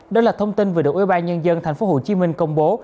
đó là thông tin vừa được ubnd thành phố hồ chí minh công bố